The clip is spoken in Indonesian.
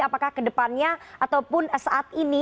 apakah ke depannya ataupun saat ini